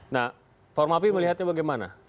nah formal p melihatnya bagaimana